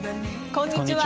こんにちは。